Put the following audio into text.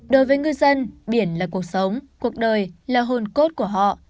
đối với ngư dân biển là cuộc sống cuộc đời là hồn cốt của họ